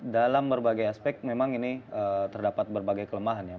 dalam berbagai aspek memang ini terdapat berbagai kelemahan ya